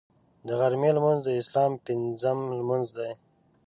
د غرمې لمونځ د اسلام پنځم لمونځ دی